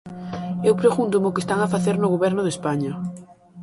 Eu pregúntome o que están a facer no Goberno de España.